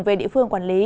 về địa phương quản lý